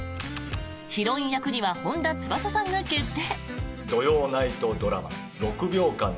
ヒロイン役には本田翼さんが決定。